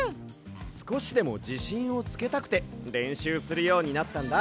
すこしでもじしんをつけたくてれんしゅうするようになったんだ。